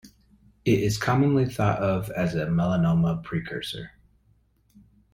It is commonly thought of as a melanoma precursor.